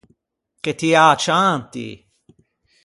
Che ti â cianti!